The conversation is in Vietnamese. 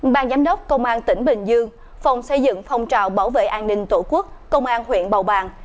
ban giám đốc công an tỉnh bình dương phòng xây dựng phong trào bảo vệ an ninh tổ quốc công an huyện bầu bàng